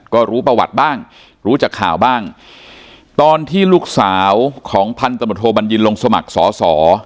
ก็รู้ประวัติบ้างรู้จากข่าวบ้างตอนที่ลูกสาวของพันธบทโทบัญญินลงสมัครสอสอ